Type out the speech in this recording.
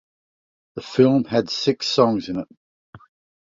The film had six songs in it.